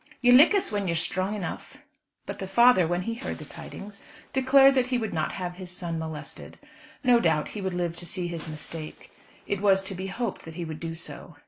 "You lick us when you're strong enough." But the father, when he heard the tidings, declared that he would not have his son molested. No doubt he would live to see his mistake. It was to be hoped that he would do so.